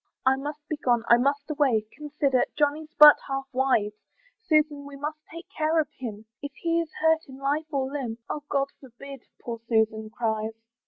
"I must be gone, I must away, "Consider, Johnny's but half wise; "Susan, we must take care of him, "If he is hurt in life or limb" "Oh God forbid!" poor Susan cries.